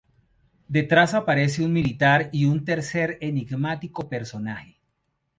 Detrás aparece un militar y un tercer enigmático personaje.